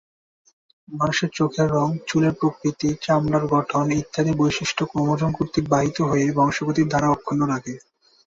মানুষের চোখের রং, চুলের প্রকৃতি, চামড়ার গঠন ইত্যাদি বৈশিষ্ট্য ক্রোমোজোম কর্তৃক বাহিত হয়ে বংশগতির ধারা অক্ষুণ্ণ রাখে।